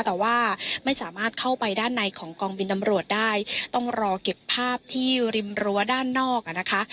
แต่ว่าไม่สามารถเข้าไปด้านในของกองบินตำรวจได้ต้องรอเก็บภาพที่ริมรั้วด้านนอกอ่ะนะคะ